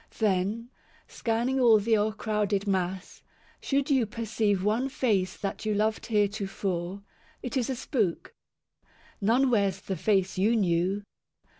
Then, scanning all the o'ercrowded mass, should you Perceive one face that you loved heretofore, It is a spook. None wears the face you knew.